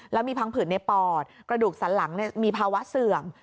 แล้วมีพังผืดในปอดกระดูกสันหลังมีภาวะเสื่อม